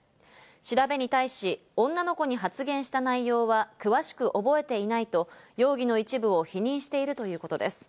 調べに対し、女の子に発言した内容は詳しく覚えていないと容疑の一部を否認しているということです。